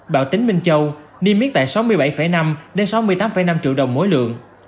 bảo tính minh châu niêm yết tại sáu mươi bảy năm sáu mươi tám năm triệu đồng mỗi lượng